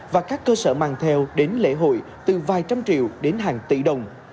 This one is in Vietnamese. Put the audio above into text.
và các cơ sở mang theo đến lễ hội từ vài trăm triệu đến hàng tỷ đồng